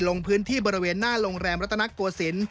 ลงพื้นที่บริเวณหน้าโรงแรมรัฐนักตัวสิน